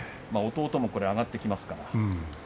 弟も上がってきますから。